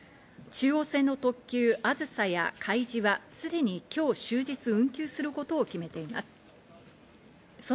中央線の特急あずさやかいじはすでに今日、終日運休することを決めています。